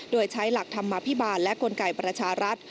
โดยใช้หลักธรรมภิบาลและกลไกประชารัฐ